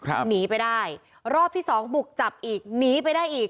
หนีไปได้รอบที่สองบุกจับอีกหนีไปได้อีก